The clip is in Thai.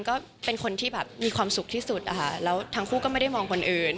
ก็เป็นคนที่แบบมีความสุขที่สุดอะค่ะแล้วทั้งคู่ก็ไม่ได้มองคนอื่น